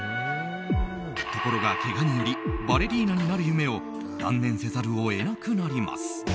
ところが、けがによりバレリーナになる夢を断念せざるを得なくなります。